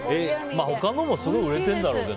他のもすごい売れてるんだろうね。